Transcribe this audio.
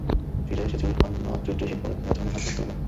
ফিরে এসে ছবির অন্য চরিত্রের জন্য শিল্পী নির্বাচনের কাজ চূড়ান্ত করবেন।